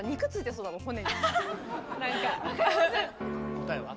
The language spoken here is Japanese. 答えは？